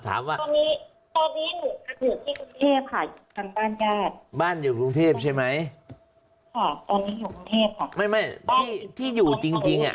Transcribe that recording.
ถามว่าบ้านอยู่กรุงเทพฯใช่ไหมไม่ที่อยู่จริงอ่ะ